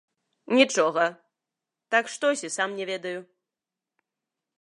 Нічога, так штось, і сам не ведаю.